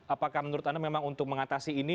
apakah menurut anda memang untuk mengatasi ini